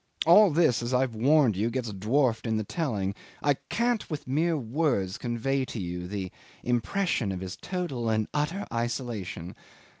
All this, as I've warned you, gets dwarfed in the telling. I can't with mere words convey to you the impression of his total and utter isolation.